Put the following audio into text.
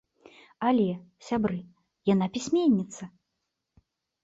Але, сябры, яна пісьменніца!